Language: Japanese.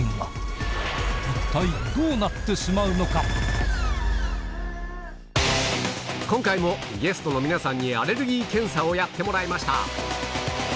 で蕁麻疹が今回もゲストの皆さんにアレルギー検査をやってもらいました